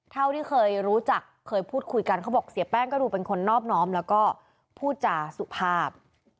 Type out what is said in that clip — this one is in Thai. เท่าที่เคยรู้จักเคยพูดคุยกันเขาบอกเสียแป้งก็ดูเป็นคนนอบน้อมแล้วก็พูดจาสุภาพ